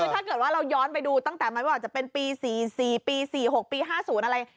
คือถ้าเกิดว่าเราย้อนไปดูตั้งแต่ไม่ว่าจะเป็นปี๔๔ปี๔๖ปี๕๐อะไร